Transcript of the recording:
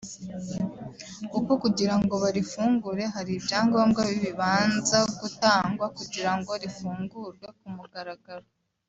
kuko kugira ngo barifungure hari ibyangombwa bibanza gutangwa kugira ngo rifungurwe ku mugaragaro